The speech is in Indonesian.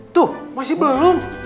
tuh masih belum